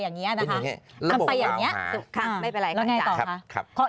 อย่างเงี้ยนะคะมันไปอย่างเงี้ยครับไม่เป็นไรแล้วไงต่อค่ะครับ